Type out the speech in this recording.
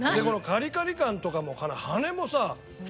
このカリカリ感とかも羽根もさ。